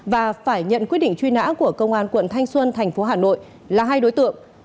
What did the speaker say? và phải nhận quyết định truy nã của công an quận thanh xuân thành phố hà nội là hai đối tượng